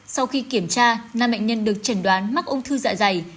sau khi kiểm tra năm bệnh nhân được chẩn đoán mắc ung thư dạ dày